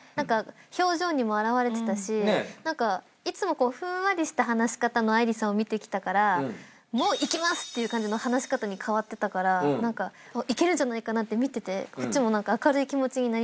表情にも表れてたしいつもふんわりした話し方の愛梨さんを見てきたから「もういきます！」って感じの話し方に変わってたからいけるんじゃないかなって見ててこっちも明るい気持ちになりましたね。